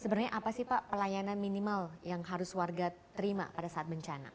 sebenarnya apa sih pak pelayanan minimal yang harus warga terima pada saat bencana